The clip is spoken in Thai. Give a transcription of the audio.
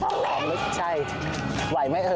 ลึกใช่ไหวไหมเอ๋ย